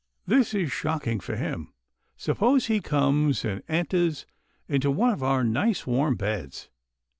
This is shocking for him. Suppose he comes and entahs into one of our nice, warm beds.